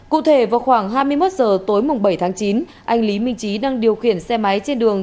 cụ thể vào khoảng hai mươi một h tối bảy tháng chín anh lý minh trí đang điều khiển xe máy trên đường